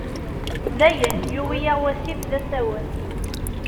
Dayen, yuwi-aɣ wasif d asawen.